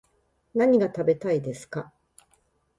何が食べたいですか